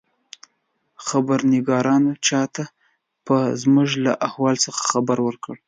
خبرنګارانو پاچا ته زموږ له احوال څخه خبر ورکړ.